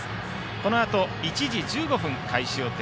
このあと１時１５分開始予定